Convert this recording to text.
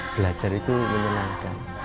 belajar itu menyenangkan